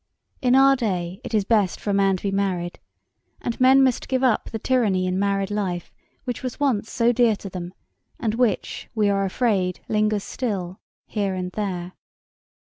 In our day it is best for a man to be married, and men must give up the tyranny in married life which was once so dear to them, and which, we are afraid, lingers still, here and there.